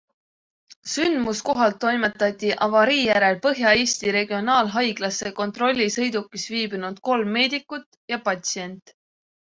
Sündmuskohalt toimetati avarii järel Põhja-Eesti regionaalhaiglasse kontrolli sõidukis viibinud kolm meedikut ja patsient.